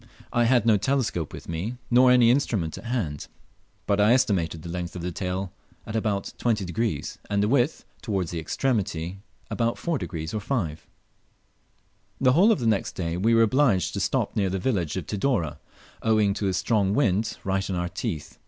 I had no telescope with me, nor any instrument at hand, but I estimated the length of the tail at about 20°, and the width, towards the extremity, about 4° or 5°. The whole of the next day we were obliged to stop near the village of Tidore, owing to a strong wind right in our teeth.